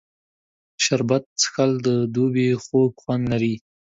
شربت څښل د دوبي خوږ خوند لري